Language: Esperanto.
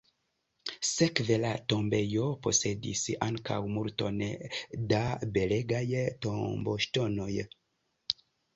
Sekve la tombejo posedis ankaŭ multon da belegaj tomboŝtonoj.